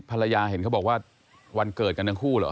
ภรรยาเห็นเขาบอกว่าวันเกิดกันทั้งคู่เหรอ